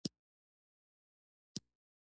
علاء الدین خلجي یو ځواکمن پاچا و.